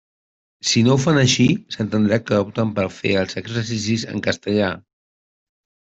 Si no ho fan així, s'entendrà que opten per fer els exercicis en castellà.